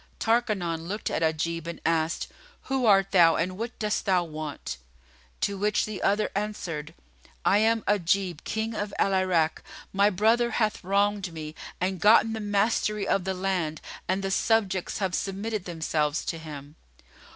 Tarkanan looked at Ajib and asked, "Who art thou and what dost thou want?"; to which the other answered, "I am Ajib King of Al Irak; my brother hath wronged me and gotten the mastery of the land and the subjects have submitted themselves to him.